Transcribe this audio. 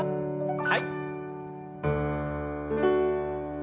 はい。